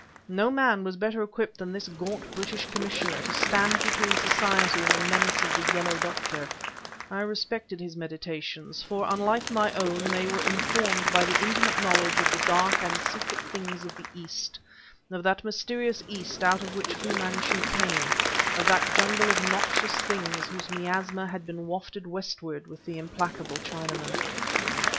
No man was better equipped than this gaunt British Commissioner to stand between society and the menace of the Yellow Doctor; I respected his meditations, for, unlike my own, they were informed by an intimate knowledge of the dark and secret things of the East, of that mysterious East out of which Fu Manchu came, of that jungle of noxious things whose miasma had been wafted Westward with the implacable Chinaman.